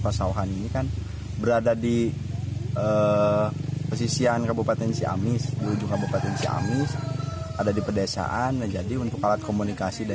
pasawahan ini kan berada di di khamis ada di pedesaan menjadi untuk alat komunikasi dan